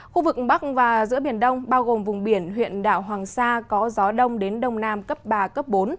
khu vực bắc và giữa biển đông bao gồm vùng biển huyện đảo hoàng sa có gió đông đến đông nam cấp ba bốn